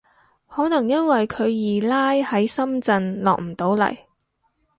可能因為佢二奶喺深圳落唔到嚟